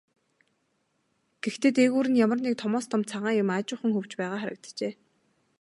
Гэхдээ дээгүүр нь ямар нэг томоос том цагаан юм аажуухан хөвж байгаа харагджээ.